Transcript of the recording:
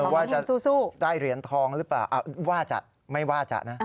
ว่าจะได้เหรียญทองหรือเปล่าว่าจะไม่ว่าจะนะ